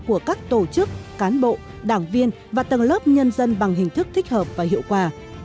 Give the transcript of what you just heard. của các tổ chức cán bộ đảng viên và tầng lớp nhân dân bằng hình thức thích hợp và hiệu quả